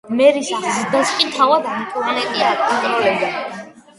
მერის აღზრდას კი თავად ანტუანეტი აკონტროლებდა.